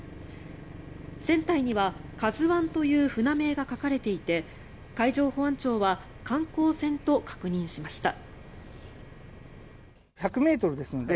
船体には「ＫＡＺＵ１」という船名が書かれていて海上保安庁は観光船と確認しました。